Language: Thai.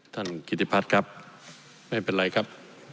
กิติพัฒน์ครับไม่เป็นไรครับ